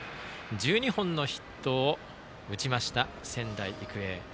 １２本のヒットを打ちました仙台育英。